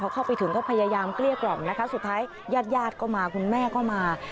เข้าไปถึงก็พยายามเกลี้ยกล่อมนะคะสุดท้ายญาติญาติก็มาคุณแม่ก็มา